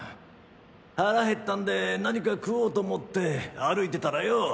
ハラ減ったんで何か食おうと思って歩いてたらよ。